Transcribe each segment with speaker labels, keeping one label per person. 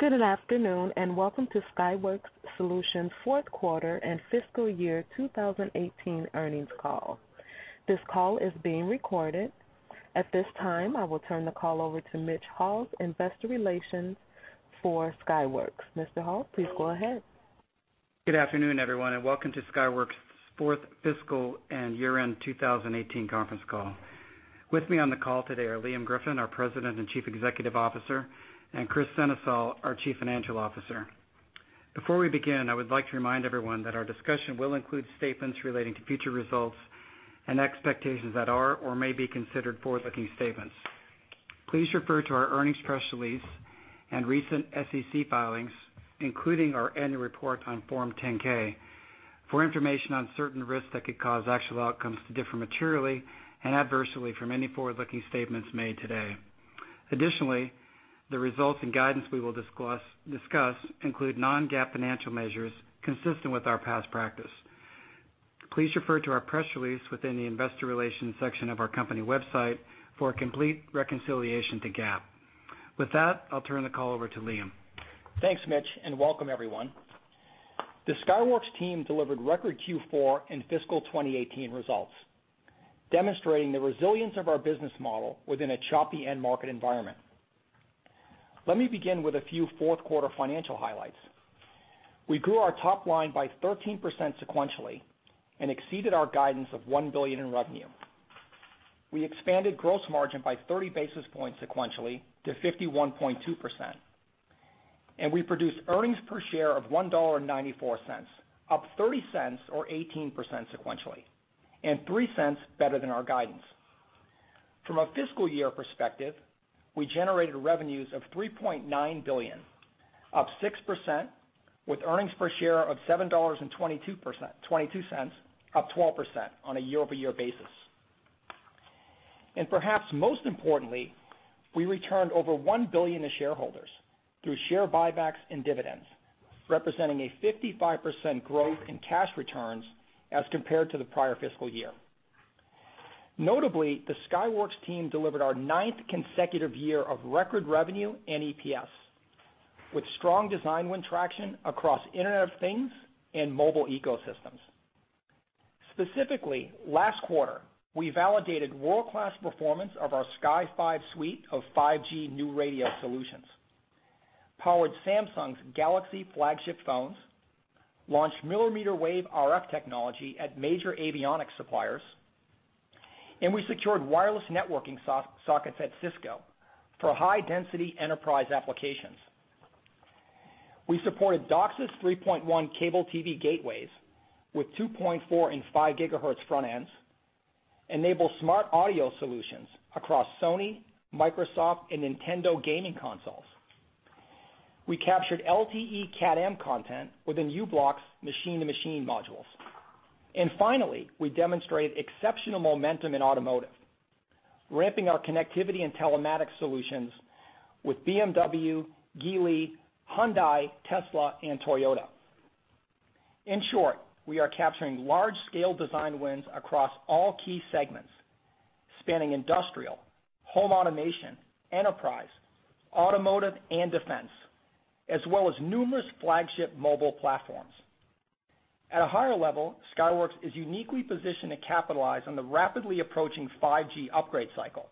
Speaker 1: Good afternoon, and welcome to Skyworks Solutions' fourth quarter and fiscal year 2018 earnings call. This call is being recorded. At this time, I will turn the call over to Mitch Haws, investor relations for Skyworks. Mr. Haws, please go ahead.
Speaker 2: Good afternoon, everyone, and welcome to Skyworks' fourth fiscal and year-end 2018 conference call. With me on the call today are Liam Griffin, our President and Chief Executive Officer, and Kris Sennesael, our Chief Financial Officer. Before we begin, I would like to remind everyone that our discussion will include statements relating to future results and expectations that are or may be considered forward-looking statements. Please refer to our earnings press release and recent SEC filings, including our annual report on Form 10-K, for information on certain risks that could cause actual outcomes to differ materially and adversely from any forward-looking statements made today. Additionally, the results and guidance we will discuss include non-GAAP financial measures consistent with our past practice. Please refer to our press release within the investor relations section of our company website for a complete reconciliation to GAAP. With that, I'll turn the call over to Liam.
Speaker 3: Thanks, Mitch, and welcome everyone. The Skyworks team delivered record Q4 and fiscal 2018 results, demonstrating the resilience of our business model within a choppy end market environment. Let me begin with a few fourth-quarter financial highlights. We grew our top line by 13% sequentially and exceeded our guidance of $1 billion in revenue. We expanded gross margin by 30 basis points sequentially to 51.2%, and we produced earnings per share of $1.94, up $0.30 or 18% sequentially, and $0.03 better than our guidance. From a fiscal year perspective, we generated revenues of $3.9 billion, up 6%, with earnings per share of $7.22, up 12% on a year-over-year basis. Perhaps most importantly, we returned over $1 billion to shareholders through share buybacks and dividends, representing a 55% growth in cash returns as compared to the prior fiscal year. Notably, the Skyworks team delivered our ninth consecutive year of record revenue and EPS, with strong design win traction across Internet of Things and mobile ecosystems. Specifically, last quarter, we validated world-class performance of our Sky5 suite of 5G new radio solutions, powered Samsung's Galaxy flagship phones, launched millimeter wave RF technology at major avionics suppliers, and we secured wireless networking sockets at Cisco for high-density enterprise applications. We supported DOCSIS 3.1 cable TV gateways with 2.4 and 5 GHz front ends, enabled smart audio solutions across Sony, Microsoft, and Nintendo gaming consoles. We captured LTE Cat M content within u-blox machine-to-machine modules. Finally, we demonstrate exceptional momentum in automotive, ramping our connectivity and telematics solutions with BMW, Geely, Hyundai, Tesla, and Toyota. In short, we are capturing large-scale design wins across all key segments, spanning industrial, home automation, enterprise, automotive, and defense, as well as numerous flagship mobile platforms. At a higher level, Skyworks is uniquely positioned to capitalize on the rapidly approaching 5G upgrade cycle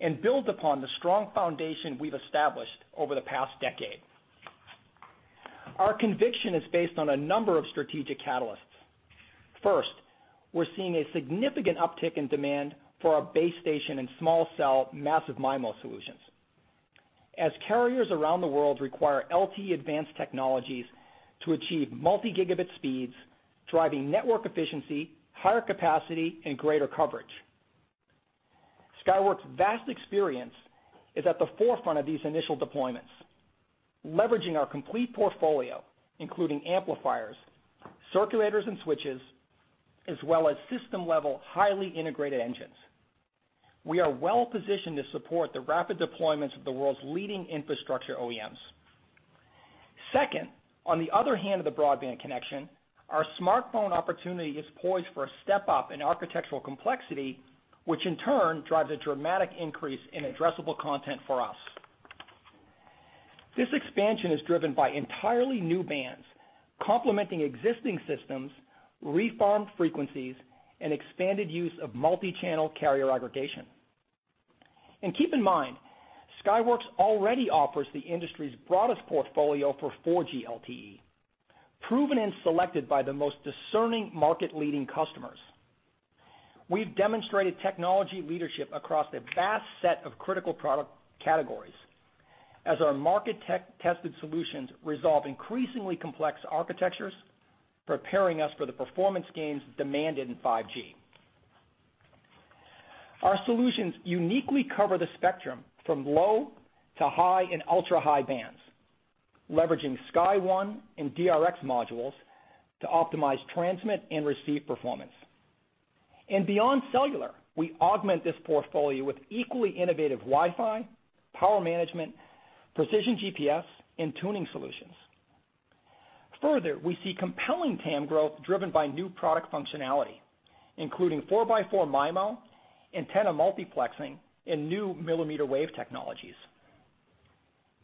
Speaker 3: and build upon the strong foundation we've established over the past decade. Our conviction is based on a number of strategic catalysts. First, we're seeing a significant uptick in demand for our base station and small cell massive MIMO solutions as carriers around the world require LTE advanced technologies to achieve multi-gigabit speeds, driving network efficiency, higher capacity, and greater coverage. Skyworks' vast experience is at the forefront of these initial deployments, leveraging our complete portfolio, including amplifiers, circulators and switches, as well as system-level, highly integrated engines. We are well-positioned to support the rapid deployments of the world's leading infrastructure OEMs. Second, on the other hand of the broadband connection, our smartphone opportunity is poised for a step-up in architectural complexity, which in turn drives a dramatic increase in addressable content for us. This expansion is driven by entirely new bands complementing existing systems, reformed frequencies, and expanded use of multi-channel carrier aggregation. Keep in mind, Skyworks already offers the industry's broadest portfolio for 4G LTE, proven and selected by the most discerning market-leading customers. We've demonstrated technology leadership across a vast set of critical product categories as our market-tested solutions resolve increasingly complex architectures, preparing us for the performance gains demanded in 5G. Our solutions uniquely cover the spectrum from low to high and ultra-high bands, leveraging SkyOne and DRx modules to optimize transmit and receive performance. Beyond cellular, we augment this portfolio with equally innovative Wi-Fi, power management, precision GPS, and tuning solutions. Further, we see compelling TAM growth driven by new product functionality, including 4x4 MIMO, antenna multiplexing, and new millimeter wave technologies.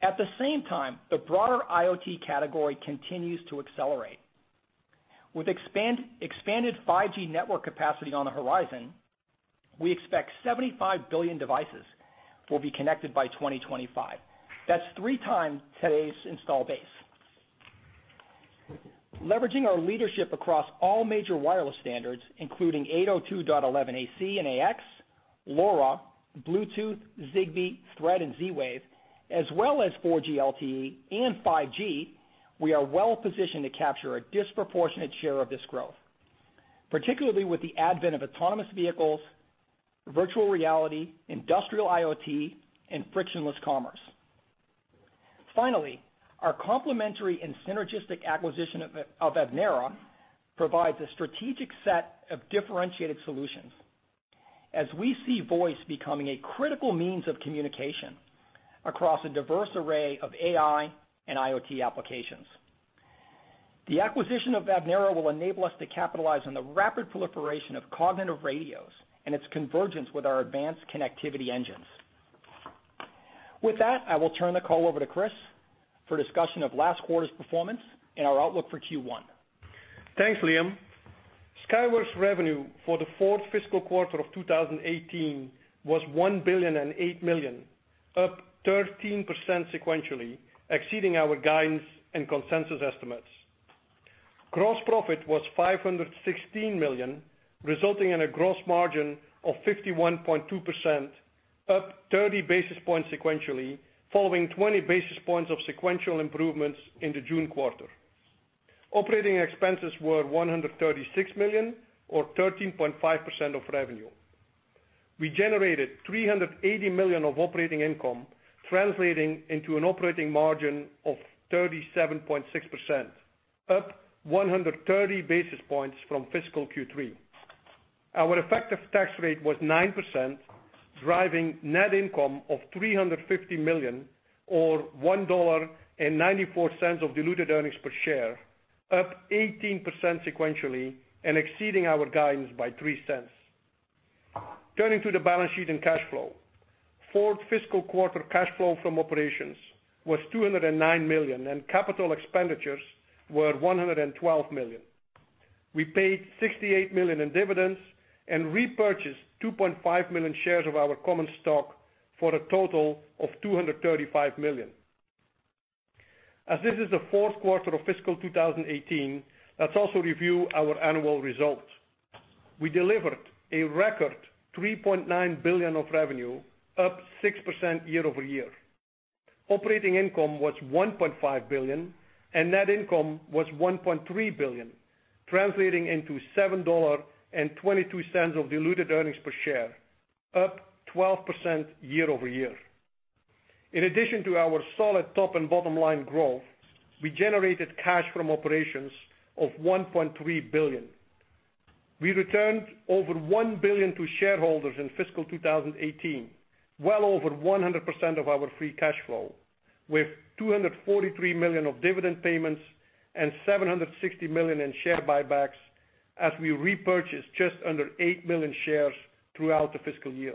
Speaker 3: At the same time, the broader IoT category continues to accelerate. With expanded 5G network capacity on the horizon, we expect 75 billion devices will be connected by 2025. That's three times today's install base. Leveraging our leadership across all major wireless standards, including 802.11ac and AX, LoRa, Bluetooth, Zigbee, Thread, and Z-Wave, as well as 4G LTE and 5G, we are well-positioned to capture a disproportionate share of this growth, particularly with the advent of autonomous vehicles, virtual reality, industrial IoT, and frictionless commerce. Our complementary and synergistic acquisition of Avnera provides a strategic set of differentiated solutions as we see voice becoming a critical means of communication across a diverse array of AI and IoT applications. The acquisition of Avnera will enable us to capitalize on the rapid proliferation of cognitive radios and its convergence with our advanced connectivity engines. With that, I will turn the call over to Kris for a discussion of last quarter's performance and our outlook for Q1.
Speaker 4: Thanks, Liam. Skyworks' revenue for the fourth fiscal quarter of 2018 was $1 billion and $8 million, up 13% sequentially, exceeding our guidance and consensus estimates. Gross profit was $516 million, resulting in a gross margin of 51.2%, up 30 basis points sequentially, following 20 basis points of sequential improvements in the June quarter. Operating expenses were $136 million or 13.5% of revenue. We generated $380 million of operating income, translating into an operating margin of 37.6%, up 130 basis points from fiscal Q3. Our effective tax rate was 9%, driving net income of $350 million, or $1.94 of diluted earnings per share, up 18% sequentially and exceeding our guidance by $0.03. Turning to the balance sheet and cash flow. Fourth fiscal quarter cash flow from operations was $209 million, and capital expenditures were $112 million. We paid $68 million in dividends and repurchased 2.5 million shares of our common stock for a total of $235 million. As this is the fourth quarter of fiscal 2018, let's also review our annual results. We delivered a record $3.9 billion of revenue, up 6% year-over-year. Operating income was $1.5 billion, and net income was $1.3 billion, translating into $7.22 of diluted earnings per share, up 12% year-over-year. In addition to our solid top and bottom line growth, we generated cash from operations of $1.3 billion. We returned over $1 billion to shareholders in fiscal 2018, well over 100% of our free cash flow, with $243 million of dividend payments and $760 million in share buybacks as we repurchased just under 8 million shares throughout the fiscal year.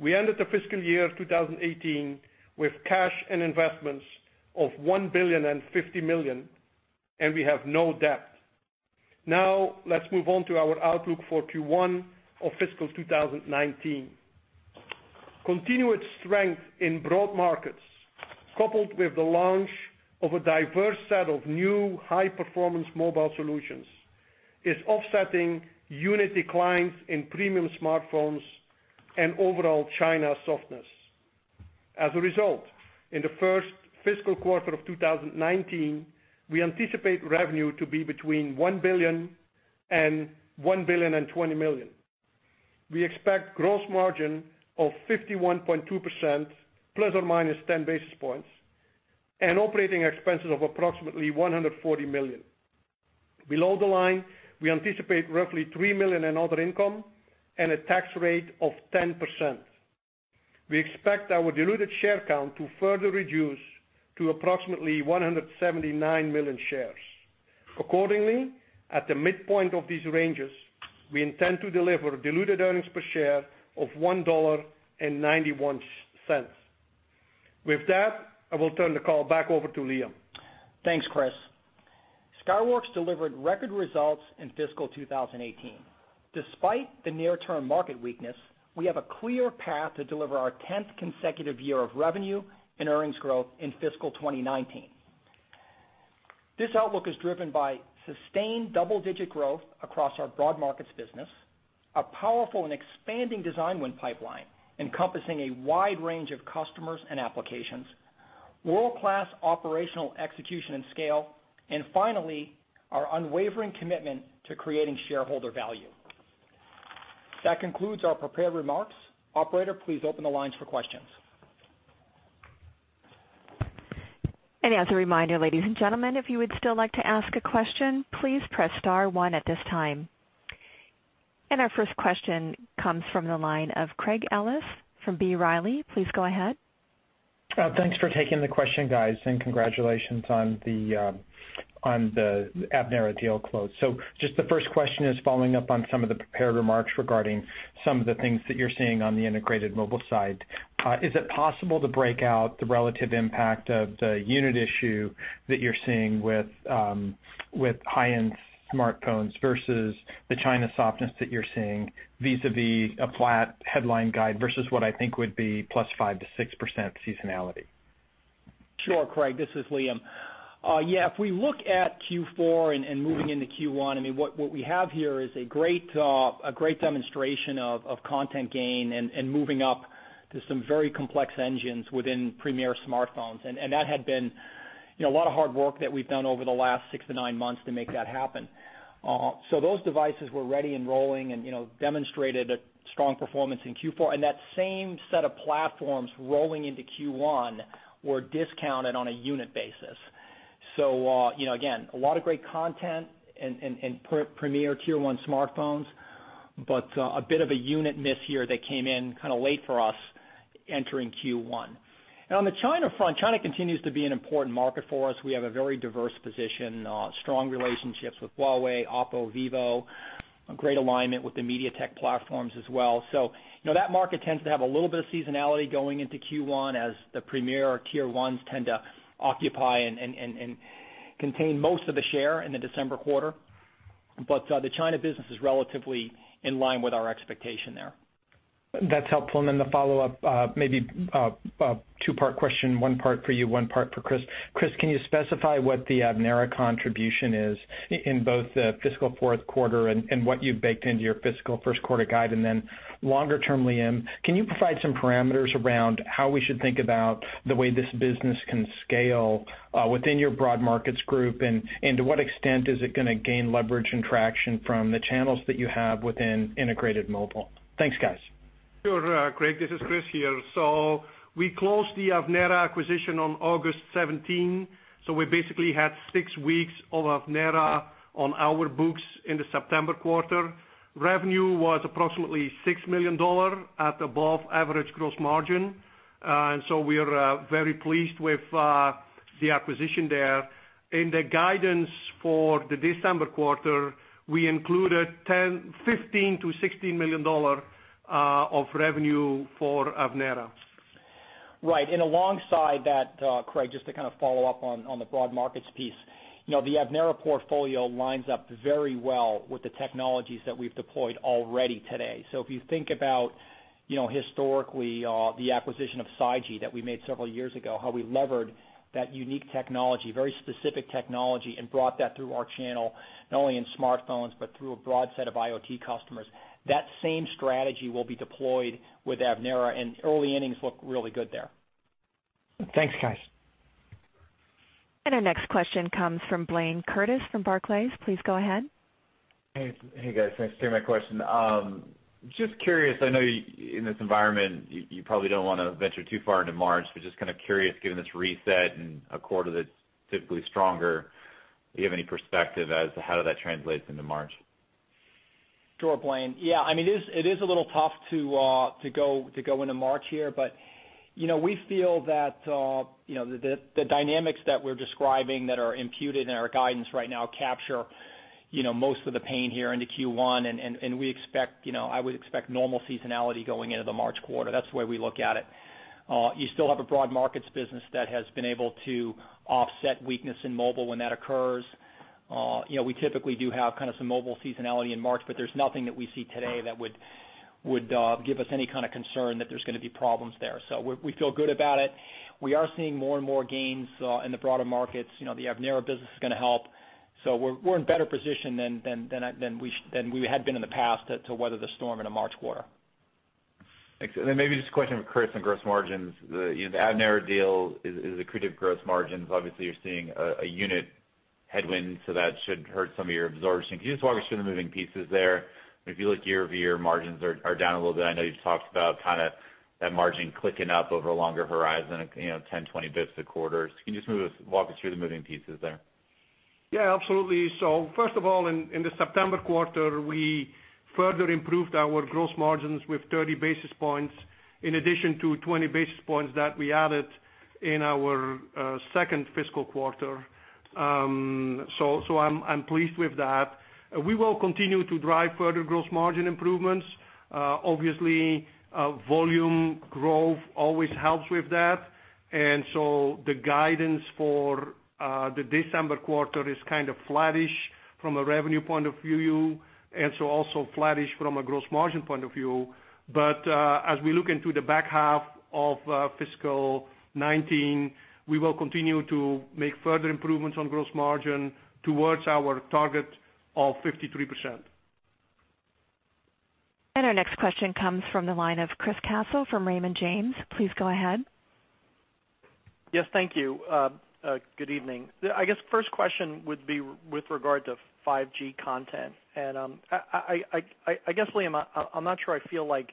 Speaker 4: We ended the fiscal year 2018 with cash and investments of $1 billion and $50 million, and we have no debt. Let's move on to our outlook for Q1 of fiscal 2019. Continued strength in broad markets, coupled with the launch of a diverse set of new high-performance mobile solutions, is offsetting unit declines in premium smartphones and overall China softness. As a result, in the first fiscal quarter of 2019, we anticipate revenue to be between $1 billion and $1 billion and $20 million. We expect gross margin of 51.2%, ±10 basis points, and operating expenses of approximately $140 million. Below the line, we anticipate roughly $3 million in other income and a tax rate of 10%. We expect our diluted share count to further reduce to approximately 179 million shares. At the midpoint of these ranges, we intend to deliver diluted earnings per share of $1.91. With that, I will turn the call back over to Liam.
Speaker 3: Thanks, Kris. Skyworks delivered record results in fiscal 2018. Despite the near-term market weakness, we have a clear path to deliver our 10th consecutive year of revenue and earnings growth in fiscal 2019. This outlook is driven by sustained double-digit growth across our broad markets business, a powerful and expanding design win pipeline encompassing a wide range of customers and applications, world-class operational execution and scale, and finally, our unwavering commitment to creating shareholder value. That concludes our prepared remarks. Operator, please open the lines for questions.
Speaker 1: As a reminder, ladies and gentlemen, if you would still like to ask a question, please press star one at this time. And our first question comes from the line of Craig Ellis from B. Riley. Please go ahead.
Speaker 5: Thanks for taking the question, guys, and congratulations on the Avnera deal close. Just the first question is following up on some of the prepared remarks regarding some of the things that you're seeing on the integrated mobile side. Is it possible to break out the relative impact of the unit issue that you're seeing with high-end smartphones versus the China softness that you're seeing vis-a-vis a flat headline guide versus what I think would be plus 5%-6% seasonality?
Speaker 3: Sure, Craig, this is Liam. If we look at Q4 and moving into Q1, what we have here is a great demonstration of content gain and moving up to some very complex engines within premier smartphones. That had been a lot of hard work that we've done over the last six to nine months to make that happen. Those devices were ready and rolling and demonstrated a strong performance in Q4, and that same set of platforms rolling into Q1 were discounted on a unit basis. Again, a lot of great content in premier Tier 1 smartphones, but a bit of a unit miss here that came in kind of late for us entering Q1. On the China front, China continues to be an important market for us. We have a very diverse position, strong relationships with Huawei, Oppo, Vivo, great alignment with the MediaTek platforms as well. That market tends to have a little bit of seasonality going into Q1 as the premier or Tier 1s tend to occupy and contain most of the share in the December quarter. The China business is relatively in line with our expectation there.
Speaker 5: That's helpful. The follow-up, maybe a two-part question, one part for you, one part for Chris. Chris, can you specify what the Avnera contribution is in both the fiscal fourth quarter and what you've baked into your fiscal first quarter guide? Longer term, Liam, can you provide some parameters around how we should think about the way this business can scale within your broad markets group, and to what extent is it going to gain leverage and traction from the channels that you have within integrated mobile? Thanks, guys.
Speaker 4: Sure, Craig, this is Chris here. We closed the Avnera acquisition on August 17, so we basically had six weeks of Avnera on our books in the September quarter. Revenue was approximately $6 million at above average gross margin. We are very pleased with the acquisition there. In the guidance for the December quarter, we included $15 million-$16 million of revenue for Avnera.
Speaker 3: Right. Alongside that, Craig, just to kind of follow up on the broad markets piece, the Avnera portfolio lines up very well with the technologies that we've deployed already today. If you think about historically, the acquisition of SiGe that we made several years ago, how we levered that unique technology, very specific technology, and brought that through our channel, not only in smartphones but through a broad set of IoT customers, that same strategy will be deployed with Avnera, and early innings look really good there.
Speaker 5: Thanks, guys.
Speaker 1: Our next question comes from Blayne Curtis from Barclays. Please go ahead.
Speaker 6: Hey guys, thanks. Hear my question. Just curious, I know in this environment, you probably don't want to venture too far into March, but just kind of curious, given this reset and a quarter that's typically stronger, do you have any perspective as to how that translates into March?
Speaker 3: Sure, Blayne. It is a little tough to go into March here, we feel that the dynamics that we're describing that are imputed in our guidance right now capture most of the pain here into Q1, I would expect normal seasonality going into the March quarter. That's the way we look at it. You still have a broad markets business that has been able to offset weakness in mobile when that occurs. We typically do have kind of some mobile seasonality in March, there's nothing that we see today that would give us any kind of concern that there's going to be problems there. We feel good about it. We are seeing more and more gains in the broader markets. The Avnera business is going to help. We're in better position than we had been in the past to weather the storm in a March quarter.
Speaker 6: Thanks. Maybe just a question for Kris on gross margins. The Avnera deal is accretive gross margins. Obviously, you're seeing a unit headwind, that should hurt some of your absorption. Can you just walk us through the moving pieces there? If you look year-over-year, margins are down a little bit. I know you've talked about kind of that margin clicking up over a longer horizon, 10, 20 basis points a quarter. Can you just walk us through the moving pieces there?
Speaker 4: Absolutely. First of all, in the September quarter, we further improved our gross margins with 30 basis points in addition to 20 basis points that we added in our second fiscal quarter. I'm pleased with that. We will continue to drive further gross margin improvements. Obviously, volume growth always helps with that. The guidance for the December quarter is kind of flattish from a revenue point of view, also flattish from a gross margin point of view. As we look into the back half of fiscal 2019, we will continue to make further improvements on gross margin towards our target of 53%.
Speaker 1: Our next question comes from the line of Chris Caso from Raymond James. Please go ahead.
Speaker 7: Yes, thank you. Good evening. I guess first question would be with regard to 5G content. I guess, Liam, I'm not sure I feel like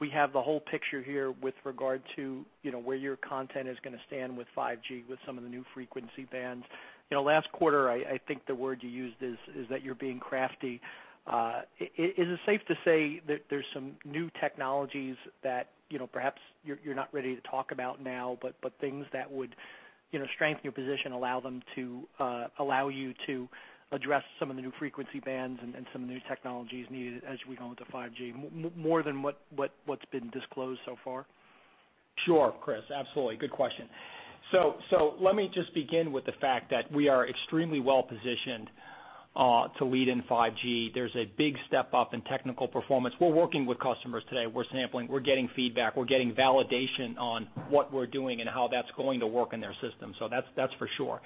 Speaker 7: we have the whole picture here with regard to where your content is going to stand with 5G, with some of the new frequency bands. Last quarter, I think the word you used is that you're being crafty. Is it safe to say that there's some new technologies that perhaps you're not ready to talk about now, but things that would strengthen your position, allow you to address some of the new frequency bands and some new technologies needed as we go into 5G, more than what's been disclosed so far?
Speaker 3: Sure, Chris, absolutely. Good question. Let me just begin with the fact that we are extremely well-positioned to lead in 5G. There's a big step-up in technical performance. We're working with customers today. We're sampling, we're getting feedback, we're getting validation on what we're doing and how that's going to work in their system. That's for sure.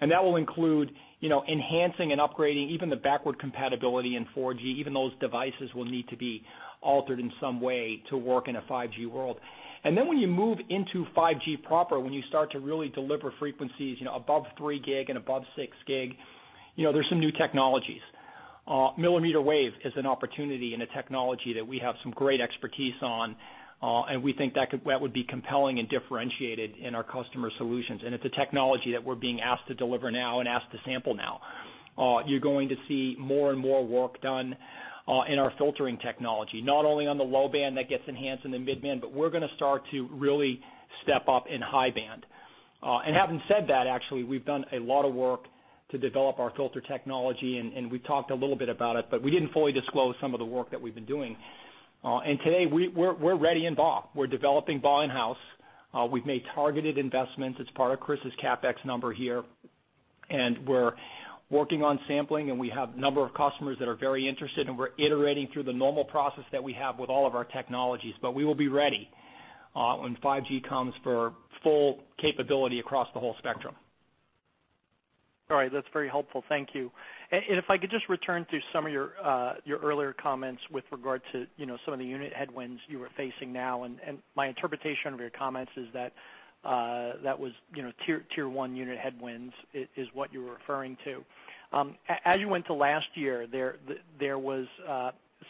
Speaker 3: That will include enhancing and upgrading even the backward compatibility in 4G. Even those devices will need to be altered in some way to work in a 5G world. When you move into 5G proper, when you start to really deliver frequencies above 3 GHz and above 6 GHz, there's some new technologies. Millimeter wave is an opportunity and a technology that we have some great expertise on, and we think that would be compelling and differentiated in our customer solutions. It's a technology that we're being asked to deliver now and asked to sample now. You're going to see more and more work done in our filtering technology, not only on the low band that gets enhanced in the mid-band, but we're going to start to really step up in high-band. Having said that, actually, we've done a lot of work to develop our filter technology, and we talked a little bit about it, but we didn't fully disclose some of the work that we've been doing. Today, we're ready in BAW. We're developing BAW in-house. We've made targeted investments. It's part of Kris CapEx number here, and we're working on sampling, and we have a number of customers that are very interested, and we're iterating through the normal process that we have with all of our technologies. We will be ready when 5G comes for full capability across the whole spectrum.
Speaker 7: All right, that's very helpful. Thank you. If I could just return to some of your earlier comments with regard to some of the unit headwinds you are facing now. My interpretation of your comments is that was Tier 1 unit headwinds is what you were referring to. As you went to last year, there was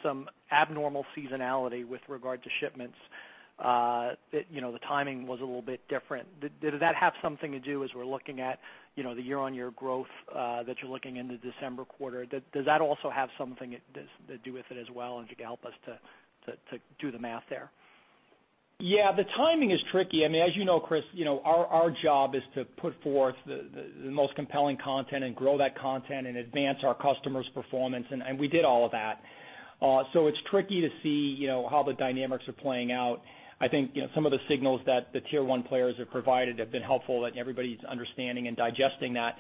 Speaker 7: some abnormal seasonality with regard to shipments, that the timing was a little bit different. Did that have something to do as we're looking at the year-on-year growth that you're looking into December quarter? Does that also have something to do with it as well? If you could help us to do the math there.
Speaker 3: Yeah, the timing is tricky. As you know, Chris, our job is to put forth the most compelling content and grow that content and advance our customers' performance, and we did all of that. It's tricky to see how the dynamics are playing out. I think some of the signals that the Tier 1 players have provided have been helpful, and everybody's understanding and digesting that.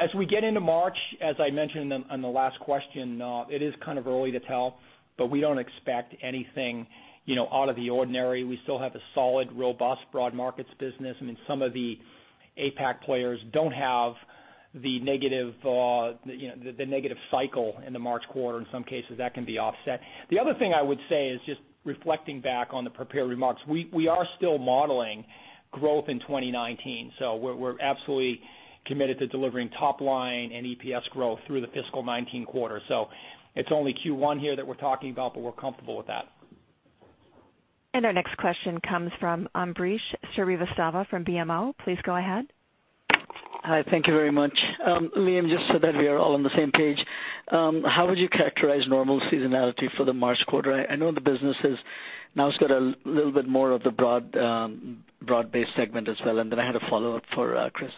Speaker 3: As we get into March, as I mentioned on the last question, it is kind of early to tell, but we don't expect anything out of the ordinary. We still have a solid, robust broad markets business. Some of the APAC players don't have the negative cycle in the March quarter. In some cases, that can be offset. The other thing I would say is just reflecting back on the prepared remarks. We are still modeling growth in 2019, we're absolutely committed to delivering top-line and EPS growth through the fiscal 2019 quarter. It's only Q1 here that we're talking about, but we're comfortable with that.
Speaker 1: Our next question comes from Ambrish Srivastava from BMO. Please go ahead.
Speaker 8: Hi. Thank you very much. Liam, just so that we are all on the same page, how would you characterize normal seasonality for the March quarter? I know the business has now got a little bit more of the broad-based segment as well. Then I had a follow-up for Chris.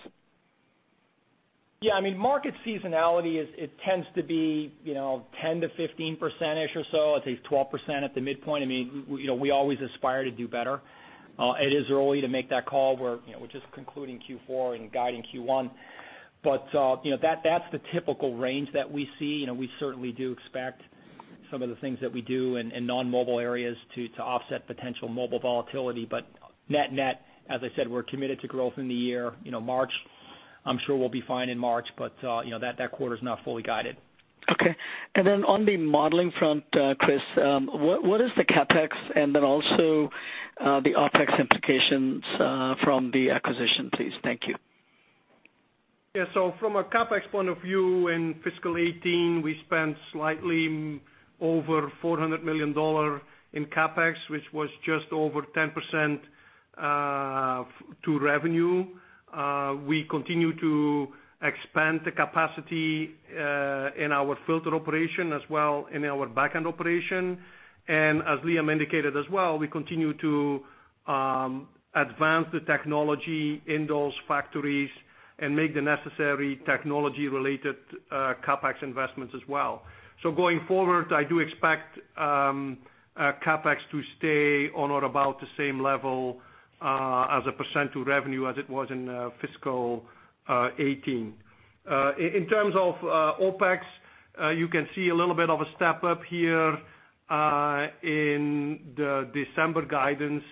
Speaker 3: Market seasonality, it tends to be 10%-15% or so. I'd say 12% at the midpoint. We always aspire to do better. It is early to make that call. We're just concluding Q4 and guiding Q1. That's the typical range that we see. We certainly do expect some of the things that we do in non-mobile areas to offset potential mobile volatility. Net, as I said, we're committed to growth in the year. March, I'm sure we'll be fine in March, but that quarter's not fully guided.
Speaker 8: On the modeling front, Kris, what is the CapEx and then also the OpEx implications from the acquisition, please? Thank you.
Speaker 4: Yeah. From a CapEx point of view, in fiscal 2018, we spent slightly over $400 million in CapEx, which was just over 10% to revenue. We continue to expand the capacity in our filter operation as well in our back-end operation. As Liam indicated as well, we continue to advance the technology in those factories and make the necessary technology-related CapEx investments as well. Going forward, I do expect CapEx to stay on or about the same level as a percent of revenue as it was in fiscal 2018. In terms of OpEx, you can see a little bit of a step-up here in the December guidance,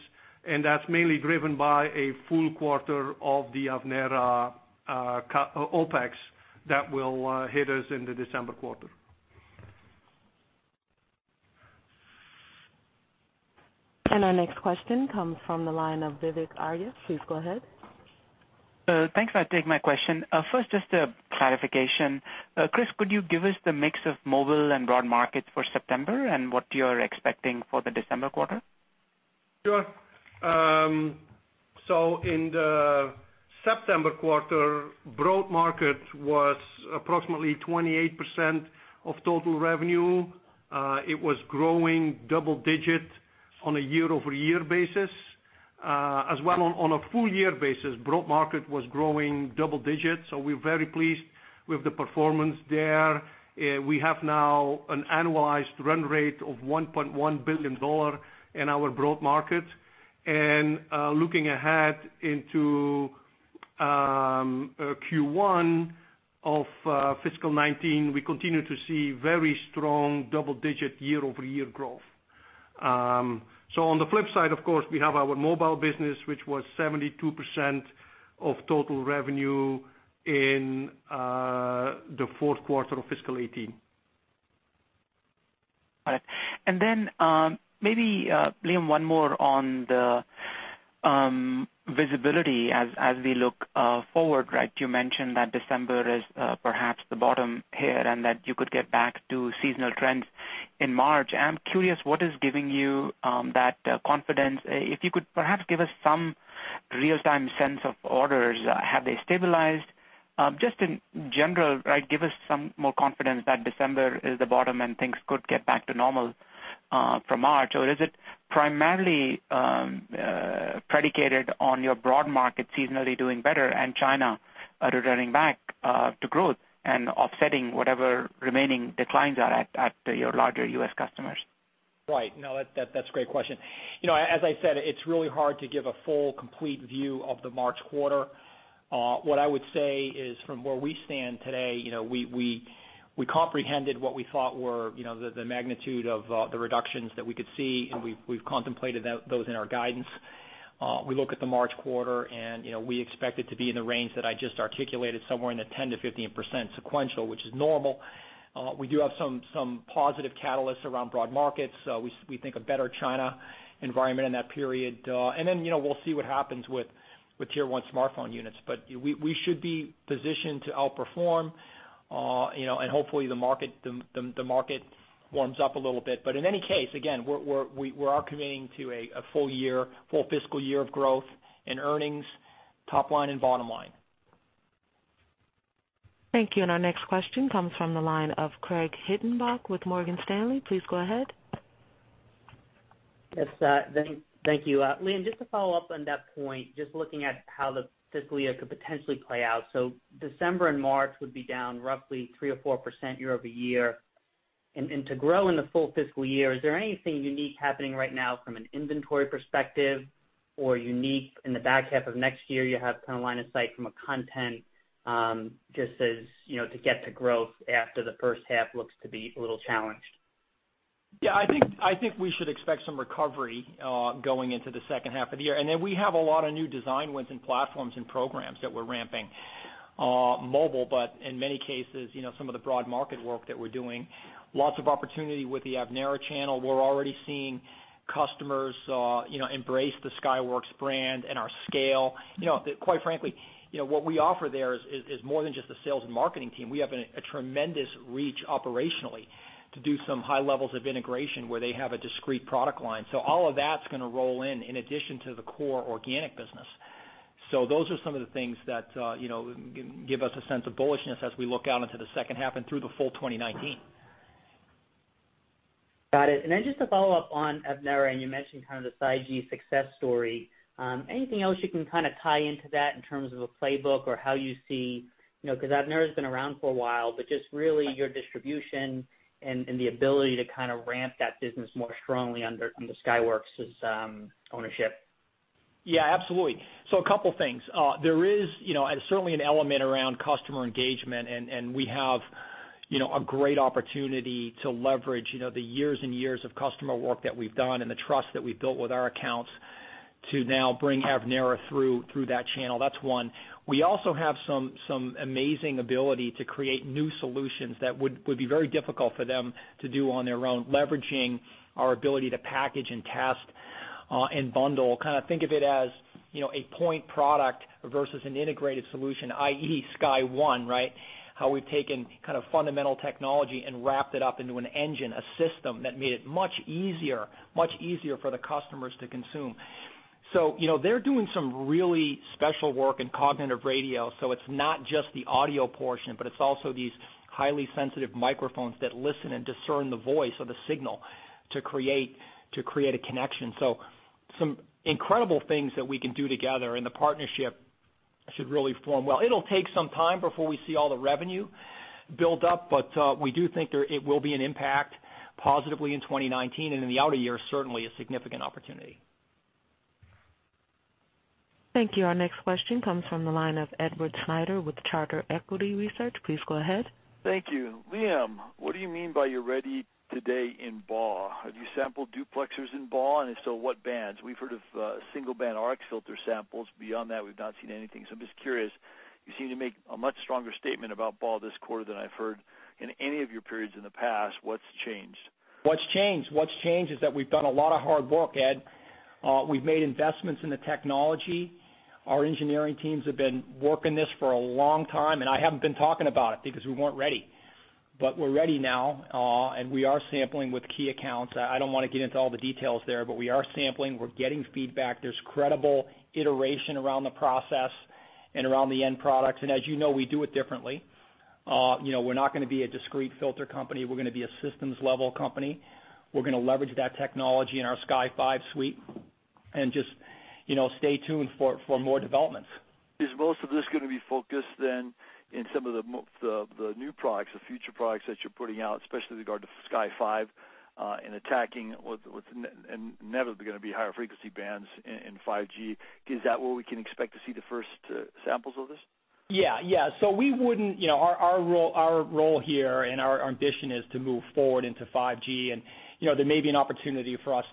Speaker 4: and that's mainly driven by a full quarter of the Avnera OpEx that will hit us in the December quarter.
Speaker 1: Our next question comes from the line of Vivek Arya. Please go ahead.
Speaker 9: Thanks for taking my question. First, just a clarification. Kris, could you give us the mix of mobile and broad market for September and what you're expecting for the December quarter?
Speaker 4: Sure. In the September quarter, broad market was approximately 28% of total revenue. It was growing double-digit on a year-over-year basis. As well on a full year basis, broad market was growing double-digits. We're very pleased with the performance there. We have now an annualized run rate of $1.1 billion in our broad market. Looking ahead into Q1 of fiscal 2019, we continue to see very strong double-digit year-over-year growth. On the flip side, of course, we have our mobile business, which was 72% of total revenue in the fourth quarter of fiscal 2018.
Speaker 9: Maybe, Liam, one more on the visibility as we look forward. You mentioned that December is perhaps the bottom here, and that you could get back to seasonal trends in March. I'm curious what is giving you that confidence. If you could perhaps give us some real-time sense of orders, have they stabilized? Just in general, give us some more confidence that December is the bottom and things could get back to normal for March. Or is it primarily predicated on your broad market seasonally doing better and China returning back to growth and offsetting whatever remaining declines are at your larger U.S. customers?
Speaker 3: Right. No, that's a great question. As I said, it's really hard to give a full, complete view of the March quarter. What I would say is from where we stand today, we comprehended what we thought were the magnitude of the reductions that we could see, and we've contemplated those in our guidance. We look at the March quarter, and we expect it to be in the range that I just articulated, somewhere in the 10%-15% sequential, which is normal. We do have some positive catalysts around broad markets. We think a better China environment in that period. We'll see what happens with Tier 1 smartphone units. We should be positioned to outperform, and hopefully the market warms up a little bit. In any case, again, we're committing to a full fiscal year of growth in earnings, top line and bottom line.
Speaker 1: Thank you. Our next question comes from the line of Craig Hettenbach with Morgan Stanley. Please go ahead.
Speaker 10: Yes, thank you. Liam, just to follow up on that point, just looking at how the fiscal year could potentially play out. December and March would be down roughly 3% or 4% year-over-year. To grow in the full fiscal year, is there anything unique happening right now from an inventory perspective or unique in the back half of next year you have kind of line of sight from a content, just as to get to growth after the first half looks to be a little challenged?
Speaker 3: I think we should expect some recovery going into the second half of the year. We have a lot of new design wins and platforms and programs that we're ramping mobile, but in many cases, some of the broad market work that we're doing, lots of opportunity with the Avnera channel. We're already seeing customers embrace the Skyworks brand and our scale. Quite frankly, what we offer there is more than just a sales and marketing team. We have a tremendous reach operationally to do some high levels of integration where they have a discrete product line. All of that's going to roll in addition to the core organic business. Those are some of the things that give us a sense of bullishness as we look out into the second half and through the full 2019.
Speaker 10: Got it. Just to follow up on Avnera, and you mentioned kind of the SiGe success story. Anything else you can kind of tie into that in terms of a playbook or how you see. Avnera's been around for a while, but just really your distribution and the ability to kind of ramp that business more strongly under Skyworks' ownership.
Speaker 3: Absolutely. A couple things. There is certainly an element around customer engagement, and we have a great opportunity to leverage the years and years of customer work that we've done and the trust that we've built with our accounts to now bring Avnera through that channel. That's one. We also have some amazing ability to create new solutions that would be very difficult for them to do on their own, leveraging our ability to package and test and bundle. Kind of think of it as a point product versus an integrated solution, i.e. SkyOne. How we've taken kind of fundamental technology and wrapped it up into an engine, a system that made it much easier for the customers to consume. They're doing some really special work in cognitive radio, it's not just the audio portion, but it's also these highly sensitive microphones that listen and discern the voice of the signal to create a connection. Some incredible things that we can do together, and the partnership should really form well. It'll take some time before we see all the revenue build up, but we do think it will be an impact positively in 2019 and in the outer years, certainly a significant opportunity.
Speaker 1: Thank you. Our next question comes from the line of Edward Snyder with Charter Equity Research. Please go ahead.
Speaker 11: Thank you. Liam, what do you mean by you're ready today in BAW? Have you sampled duplexers in BAW? If so, what bands? We've heard of single band RX filter samples. Beyond that, we've not seen anything. I'm just curious. You seem to make a much stronger statement about BAW this quarter than I've heard in any of your periods in the past. What's changed?
Speaker 3: What's changed? What's changed is that we've done a lot of hard work, Ed. We've made investments in the technology. Our engineering teams have been working this for a long time, and I haven't been talking about it because we weren't ready. We're ready now, and we are sampling with key accounts. I don't want to get into all the details there, but we are sampling. We're getting feedback. There's credible iteration around the process and around the end products. As you know, we do it differently. We're not going to be a discrete filter company. We're going to be a systems-level company. We're going to leverage that technology in our Sky5 suite and just stay tuned for more developments.
Speaker 11: Is most of this going to be focused, then, in some of the new products, the future products that you're putting out, especially with regard to Sky5, and attacking what's inevitably going to be higher frequency bands in 5G? Is that where we can expect to see the first samples of this?
Speaker 3: Yeah. Our role here and our ambition is to move forward into 5G. There may be an opportunity for us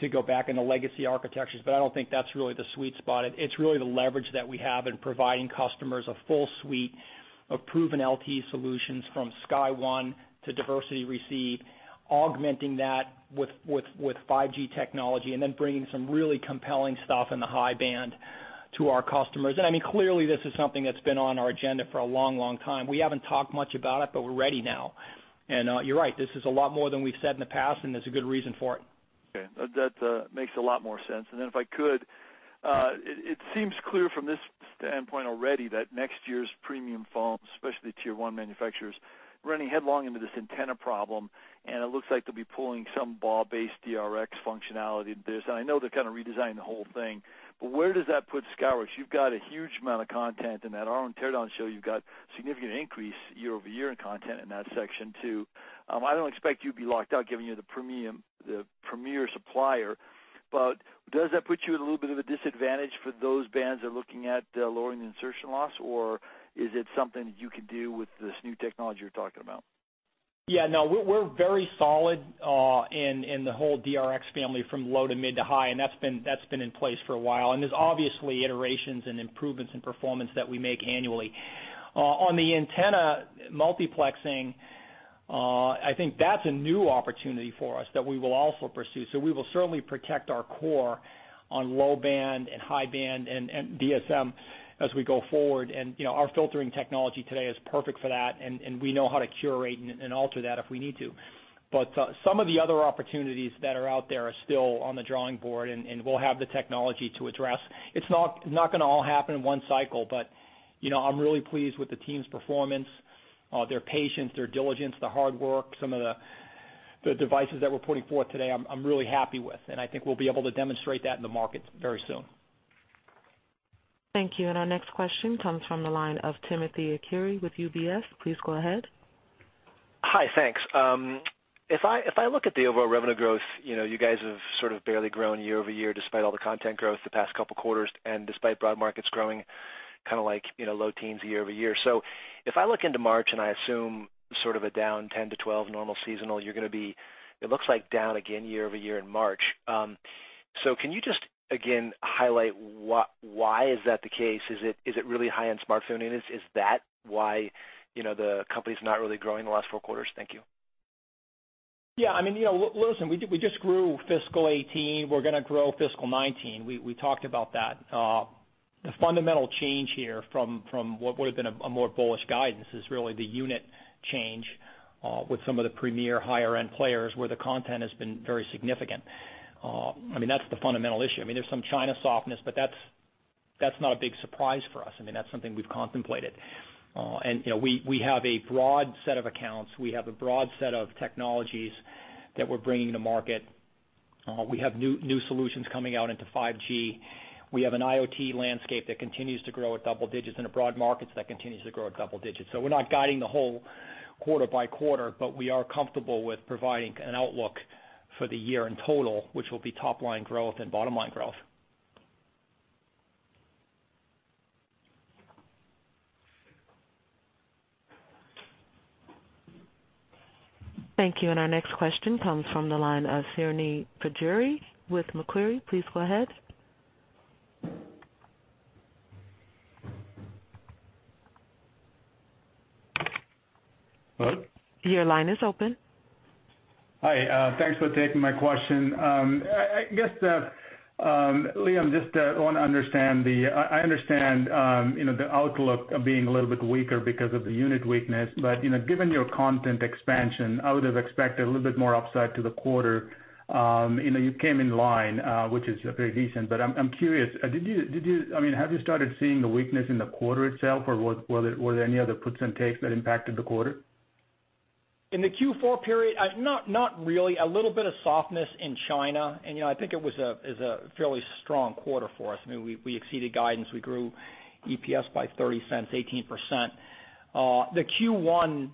Speaker 3: to go back into legacy architectures, but I don't think that's really the sweet spot. It's really the leverage that we have in providing customers a full suite of proven LTE solutions from Sky One to Diversity Receive, augmenting that with 5G technology, then bringing some really compelling stuff in the high band to our customers. Clearly, this is something that's been on our agenda for a long time. We haven't talked much about it, but we're ready now. You're right, this is a lot more than we've said in the past, and there's a good reason for it.
Speaker 11: Okay. That makes a lot more sense. Then if I could, it seems clear from this standpoint already that next year's premium phones, especially Tier 1 manufacturers, running headlong into this antenna problem. It looks like they'll be pulling some BAW-based DRx functionality into this. I know they're kind of redesigning the whole thing, but where does that put Skyworks? You've got a huge amount of content in that. Our own teardown show, you've got significant increase year-over-year in content in that section, too. I don't expect you'd be locked out given you're the premier supplier, but does that put you at a little bit of a disadvantage for those bands that are looking at lowering the insertion loss, or is it something that you can do with this new technology you're talking about?
Speaker 3: Yeah. No, we're very solid in the whole DRx family, from low to mid to high. That's been in place for a while. There's obviously iterations and improvements in performance that we make annually. On the antenna multiplexing, I think that's a new opportunity for us that we will also pursue. We will certainly protect our core on low band and high band and DSM as we go forward. Our filtering technology today is perfect for that, and we know how to curate and alter that if we need to. Some of the other opportunities that are out there are still on the drawing board, and we'll have the technology to address. It's not going to all happen in one cycle, but I'm really pleased with the team's performance, their patience, their diligence, the hard work. Some of the devices that we're putting forth today, I'm really happy with, and I think we'll be able to demonstrate that in the market very soon.
Speaker 1: Thank you. Our next question comes from the line of Timothy Arcuri with UBS. Please go ahead.
Speaker 12: Hi. Thanks. If I look at the overall revenue growth, you guys have sort of barely grown year-over-year despite all the content growth the past couple of quarters and despite broad markets growing low teens year-over-year. If I look into March and I assume sort of a down 10%-12% normal seasonal, you're going to be, it looks like, down again year-over-year in March. Can you just, again, highlight why is that the case? Is it really high-end smartphone units? Is that why the company's not really growing the last four quarters? Thank you.
Speaker 3: Yeah. Listen, we just grew fiscal 2018. We're going to grow fiscal 2019. We talked about that. The fundamental change here from what would've been a more bullish guidance is really the unit change with some of the premier higher-end players where the content has been very significant. That's the fundamental issue. There's some China softness, but that's not a big surprise for us. That's something we've contemplated. We have a broad set of accounts. We have a broad set of technologies that we're bringing to market. We have new solutions coming out into 5G. We have an IoT landscape that continues to grow at double digits and a broad market that continues to grow at double digits. We're not guiding the whole quarter by quarter, but we are comfortable with providing an outlook for the year in total, which will be top-line growth and bottom-line growth.
Speaker 1: Thank you. Our next question comes from the line of Srini Pajjuri with Macquarie. Please go ahead.
Speaker 13: Hello?
Speaker 1: Your line is open.
Speaker 13: Hi. Thanks for taking my question. I guess, Liam, just want to understand. I understand the outlook being a little bit weaker because of the unit weakness, but given your content expansion, I would've expected a little bit more upside to the quarter. You came in line, which is very decent, but I'm curious, have you started seeing the weakness in the quarter itself, or were there any other puts and takes that impacted the quarter?
Speaker 3: In the Q4 period, not really. A little bit of softness in China. I think it was a fairly strong quarter for us. We exceeded guidance. We grew EPS by $0.30, 18%. The Q1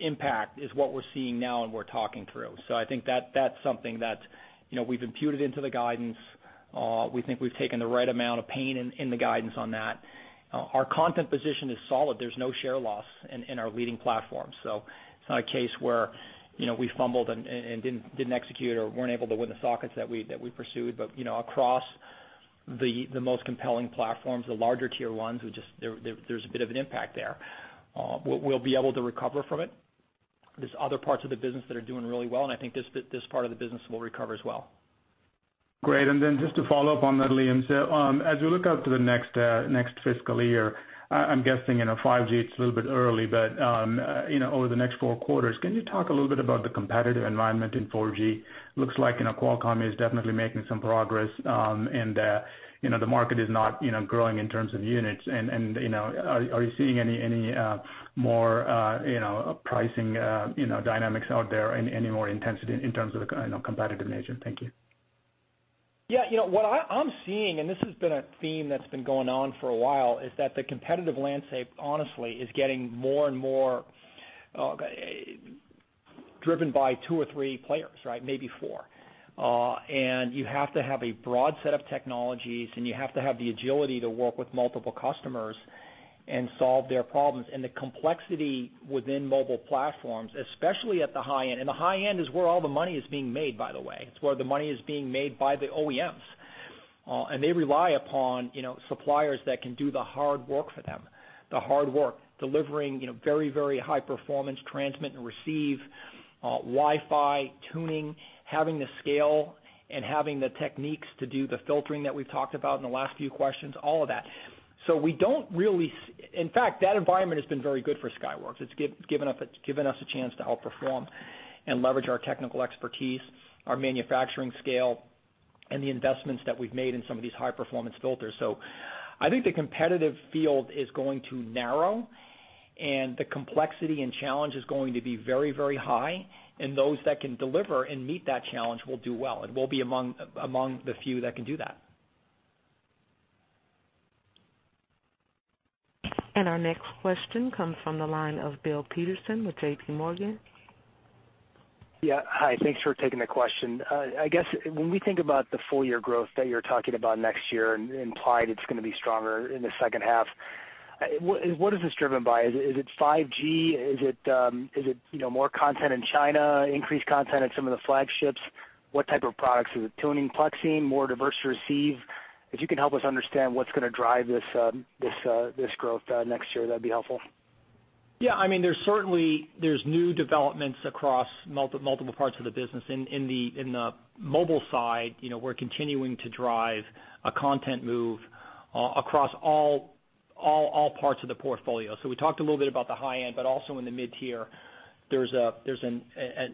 Speaker 3: impact is what we're seeing now and we're talking through. I think that's something that we've imputed into the guidance. We think we've taken the right amount of pain in the guidance on that. Our content position is solid. There's no share loss in our leading platforms. It's not a case where we fumbled and didn't execute or weren't able to win the sockets that we pursued, but across the most compelling platforms, the larger Tier 1s, there's a bit of an impact there. We'll be able to recover from it. There's other parts of the business that are doing really well, and I think this part of the business will recover as well.
Speaker 13: Great. Then just to follow up on that, Liam, so as we look out to the next fiscal year, I'm guessing, in 5G it's a little bit early, but over the next four quarters, can you talk a little bit about the competitive environment in 4G? Looks like Qualcomm is definitely making some progress, and the market is not growing in terms of units. Are you seeing any more pricing dynamics out there, any more intensity in terms of the competitive nature? Thank you.
Speaker 3: Yeah. What I'm seeing, and this has been a theme that's been going on for a while, is that the competitive landscape honestly is getting more and more driven by two or three players, maybe four. You have to have a broad set of technologies, and you have to have the agility to work with multiple customers and solve their problems. The complexity within mobile platforms, especially at the high end, and the high end is where all the money is being made, by the way. It's where the money is being made by the OEMs. They rely upon suppliers that can do the hard work for them. The hard work. Delivering very high performance transmit and receive Wi-Fi tuning, having the scale, and having the techniques to do the filtering that we've talked about in the last few questions, all of that. In fact, that environment has been very good for Skyworks. It's given us a chance to outperform and leverage our technical expertise, our manufacturing scale, and the investments that we've made in some of these high-performance filters. I think the competitive field is going to narrow, and the complexity and challenge is going to be very high, and those that can deliver and meet that challenge will do well, and we'll be among the few that can do that.
Speaker 1: Our next question comes from the line of Bill Peterson with J.P. Morgan.
Speaker 14: Yeah. Hi, thanks for taking the question. I guess, when we think about the full-year growth that you're talking about next year, implied it's going to be stronger in the second half, what is this driven by? Is it 5G? Is it more content in China, increased content in some of the flagships? What type of products? Is it tuning, plexing, more diverse receive? If you could help us understand what's going to drive this growth next year, that'd be helpful.
Speaker 3: Yeah, there's new developments across multiple parts of the business. In the mobile side, we're continuing to drive a content move across all parts of the portfolio. We talked a little bit about the high end, but also in the mid-tier, there's an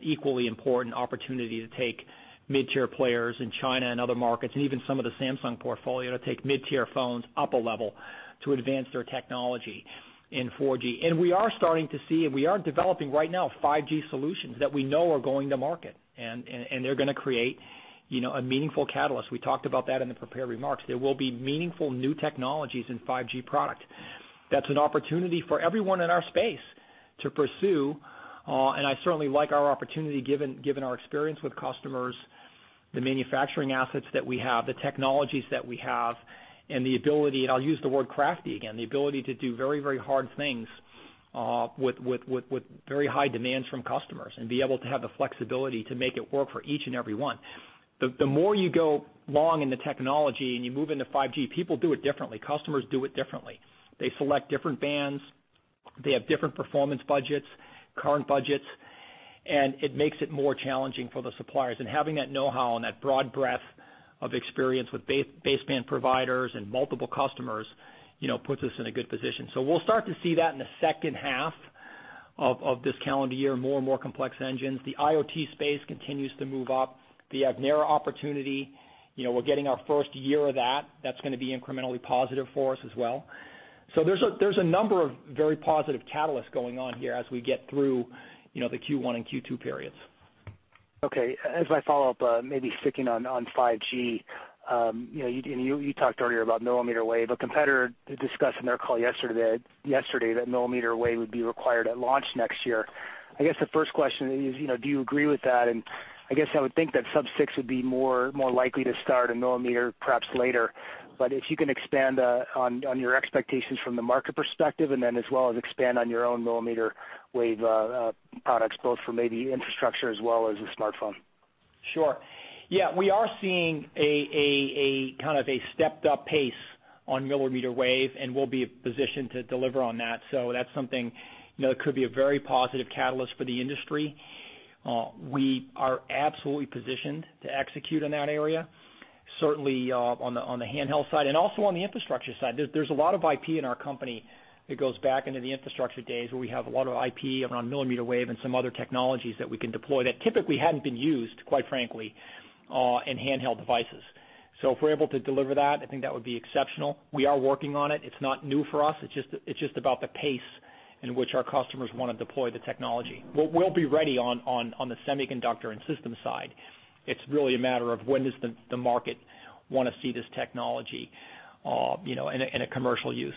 Speaker 3: equally important opportunity to take mid-tier players in China and other markets, even some of the Samsung portfolio, to take mid-tier phones up a level to advance their technology in 4G. We are starting to see, we are developing right now, 5G solutions that we know are going to market, they're going to create a meaningful catalyst. We talked about that in the prepared remarks. There will be meaningful new technologies in 5G product. That's an opportunity for everyone in our space to pursue. I certainly like our opportunity given our experience with customers, the manufacturing assets that we have, the technologies that we have, and the ability, and I'll use the word crafty again. The ability to do very hard things, with very high demands from customers, and be able to have the flexibility to make it work for each and every one. The more you go along in the technology and you move into 5G, people do it differently. Customers do it differently. They select different bands. They have different performance budgets, current budgets, and it makes it more challenging for the suppliers. Having that knowhow and that broad breadth of experience with baseband providers and multiple customers puts us in a good position. We'll start to see that in the second half of this calendar year, more and more complex engines. The IoT space continues to move up. The Avnera opportunity, we're getting our first year of that. That's going to be incrementally positive for us as well. There's a number of very positive catalysts going on here as we get through the Q1 and Q2 periods.
Speaker 14: Okay. As my follow-up, maybe sticking on 5G, you talked earlier about millimeter wave. A competitor discussed in their call yesterday that millimeter wave would be required at launch next year. I guess the first question is, do you agree with that? I would think that sub-6 would be more likely to start a millimeter perhaps later. If you can expand on your expectations from the market perspective, and then as well as expand on your own millimeter wave products, both for maybe infrastructure as well as the smartphone.
Speaker 3: Sure. Yeah, we are seeing a kind of a stepped-up pace on millimeter wave, we'll be positioned to deliver on that. That's something that could be a very positive catalyst for the industry. We are absolutely positioned to execute in that area, certainly on the handheld side and also on the infrastructure side. There's a lot of IP in our company that goes back into the infrastructure days where we have a lot of IP around millimeter wave and some other technologies that we can deploy that typically hadn't been used, quite frankly, in handheld devices. If we're able to deliver that, I think that would be exceptional. We are working on it. It's not new for us. It's just about the pace in which our customers want to deploy the technology. We'll be ready on the semiconductor and systems side. It's really a matter of when does the market want to see this technology in a commercial use.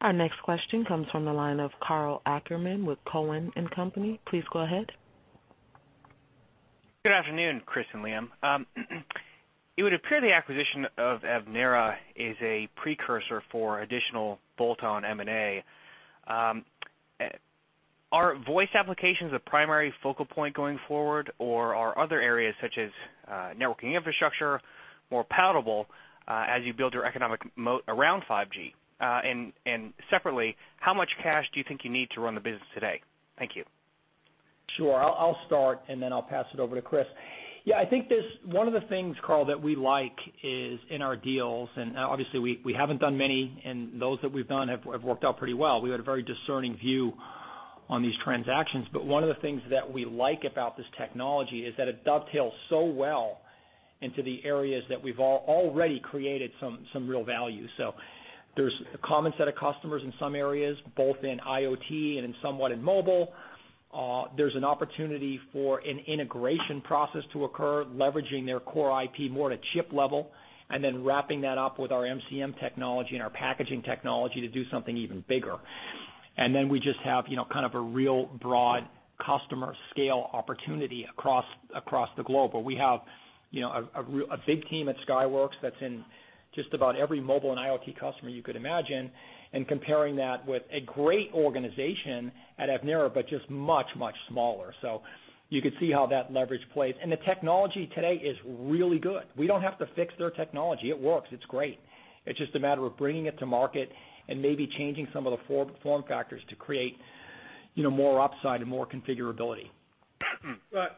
Speaker 1: Our next question comes from the line of Karl Ackerman with Cowen and Company. Please go ahead.
Speaker 15: Good afternoon, Chris and Liam. It would appear the acquisition of Avnera is a precursor for additional bolt-on M&A. Are voice applications a primary focal point going forward or are other areas such as networking infrastructure more palatable as you build your economic moat around 5G? Separately, how much cash do you think you need to run the business today? Thank you.
Speaker 3: Sure. I'll start, then I'll pass it over to Chris. Yeah, I think one of the things, Karl, that we like is in our deals, obviously we haven't done many, those that we've done have worked out pretty well. We had a very discerning view on these transactions. One of the things that we like about this technology is that it dovetails so well into the areas that we've already created some real value. There's a common set of customers in some areas, both in IoT and in somewhat in mobile. There's an opportunity for an integration process to occur, leveraging their core IP more at a chip level, then wrapping that up with our MCM technology and our packaging technology to do something even bigger. Then we just have kind of a real broad customer scale opportunity across the globe, where we have a big team at Skyworks that's in just about every mobile and IoT customer you could imagine, comparing that with a great organization at Avnera, just much, much smaller. You could see how that leverage plays. The technology today is really good. We don't have to fix their technology. It works. It's great. It's just a matter of bringing it to market and maybe changing some of the form factors to create more upside and more configurability.
Speaker 4: Right.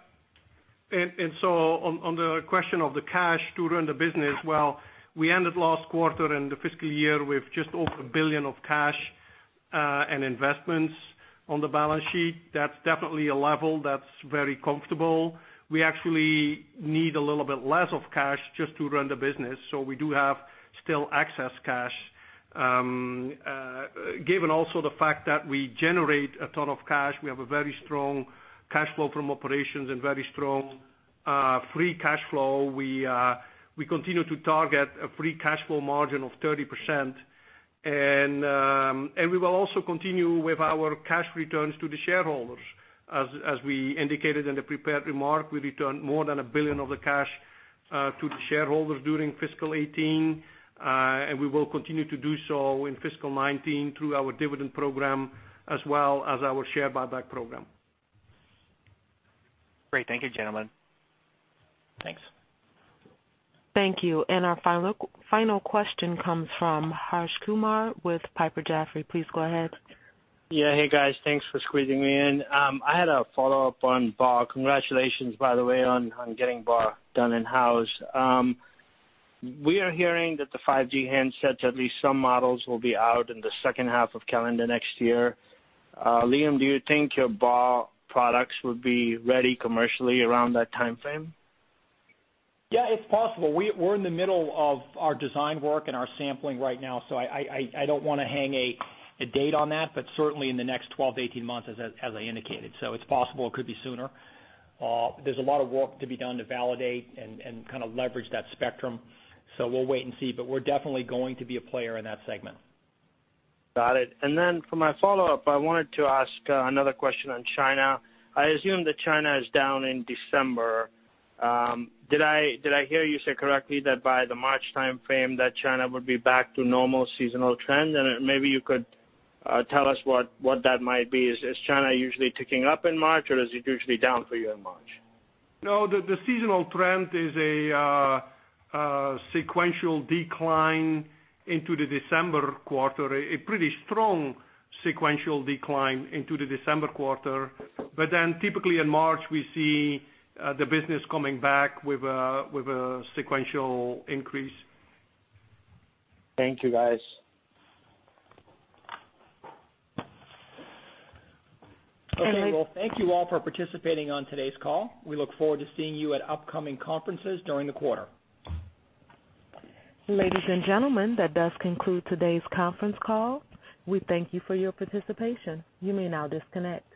Speaker 4: On the question of the cash to run the business, well, we ended last quarter and the fiscal year with just over $1 billion of cash and investments on the balance sheet. That is definitely a level that is very comfortable. We actually need a little bit less of cash just to run the business. We do have still excess cash. Given also the fact that we generate a ton of cash, we have a very strong cash flow from operations and very strong free cash flow. We continue to target a free cash flow margin of 30%, and we will also continue with our cash returns to the shareholders. As we indicated in the prepared remark, we returned more than $1 billion of the cash to the shareholders during fiscal 2018, and we will continue to do so in fiscal 2019 through our dividend program as well as our share buyback program.
Speaker 15: Great. Thank you, gentlemen.
Speaker 3: Thanks.
Speaker 1: Thank you. Our final question comes from Harsh Kumar with Piper Jaffray. Please go ahead.
Speaker 16: Yeah. Hey, guys. Thanks for squeezing me in. I had a follow-up on BAW. Congratulations, by the way, on getting BAW done in-house. We are hearing that the 5G handsets, at least some models, will be out in the second half of calendar next year. Liam, do you think your BAW products would be ready commercially around that timeframe?
Speaker 3: Yeah, it's possible. We're in the middle of our design work and our sampling right now. I don't want to hang a date on that, but certainly in the next 12-18 months, as I indicated. It's possible it could be sooner. There's a lot of work to be done to validate and kind of leverage that spectrum. We'll wait and see, but we're definitely going to be a player in that segment.
Speaker 16: Got it. Then for my follow-up, I wanted to ask another question on China. I assume that China is down in December. Did I hear you say correctly that by the March timeframe that China would be back to normal seasonal trend? Maybe you could tell us what that might be. Is China usually ticking up in March, or is it usually down for you in March?
Speaker 4: No, the seasonal trend is a sequential decline into the December quarter, a pretty strong sequential decline into the December quarter. Then typically in March, we see the business coming back with a sequential increase.
Speaker 16: Thank you, guys.
Speaker 1: And we-
Speaker 3: Okay. Well, thank you all for participating on today's call. We look forward to seeing you at upcoming conferences during the quarter.
Speaker 1: Ladies and gentlemen, that does conclude today's conference call. We thank you for your participation. You may now disconnect.